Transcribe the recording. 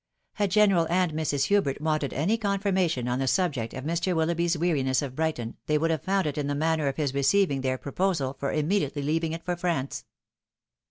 Had General and Mrs. Hubert wanted any confirmation on the subject of Mr. Willoughby 's weariness of Brighton, they would have found it in the manner of his receiving their proposal for immediately leaving it for France.